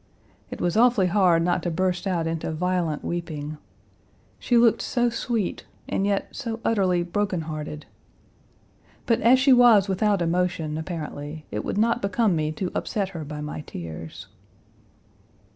It was awfully hard not to burst out into violent weeping. She looked so sweet, and yet so utterly brokenhearted. But as she was without emotion, apparently, it would not become me to upset her by my tears.